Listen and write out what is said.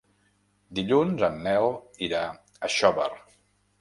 Dilluns en Nel irà a Xóvar.